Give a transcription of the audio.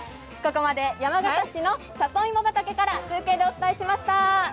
ここまで山形市の里芋畑から中継でお伝えしました。